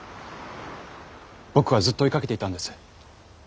僕はずっと追いかけていたんです。